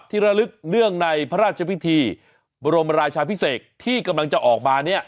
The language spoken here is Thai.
ระลึกเนื่องในพระราชพิธีบรมราชาพิเศษที่กำลังจะออกมาเนี่ย